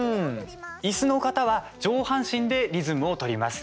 いすの方は上半身でリズムを取ります。